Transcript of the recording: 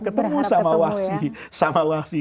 ketemu sama wahsy